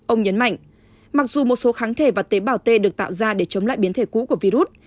ông nhấn mạnh mặc dù một số kháng thể và tế bào t được tạo ra để chống lại biến thể cũ của virus